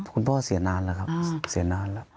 พ่อเสียนานแล้วครับเสียนานแล้ว